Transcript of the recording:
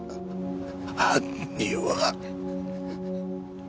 犯人は。